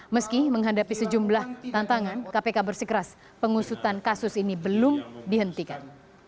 meski menghadapi sejumlah tantangan kpk bersikeras pengusutan kasus ini belum dihentikan